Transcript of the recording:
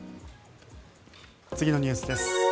次のニュースです。